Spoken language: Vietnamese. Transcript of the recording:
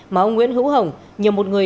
mà ông nguyễn hữu hồng nhờ một người